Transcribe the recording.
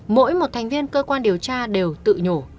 mỗi một thành viên cơ quan điều tra đều tự nhổ